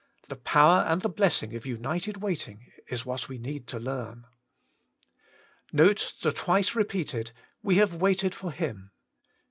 The power and the blessing of united waiting is what we need to learn. Note the tmce repeated, * We have waited for Him.'